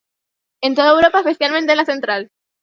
En toda Europa, especialmente en la central.